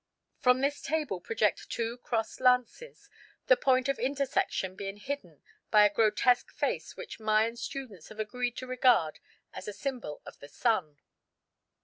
From this table project two crossed lances, the point of intersection being hidden by a grotesque face which Mayan students have agreed to regard as a symbol of the Sun.